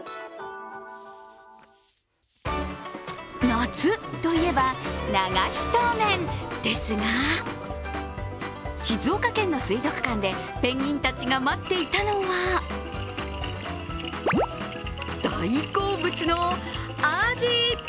夏といえば、流しそうめんですが静岡県の水族館でペンギンたちが待っていたのは大好物のあじ。